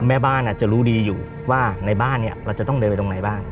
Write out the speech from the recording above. แม่บ้านจะรู้ดีอยู่ว่าในบ้านเนี่ยเราจะต้องเดินไปตรงไหนบ้าง